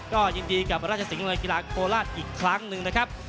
ก็ยินดีกับราชสิงห์กีฬาโคราชอีกครั้งหนึ่งนะครับ